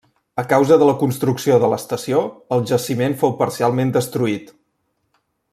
A causa de la construcció de l'estació, el jaciment fou parcialment destruït.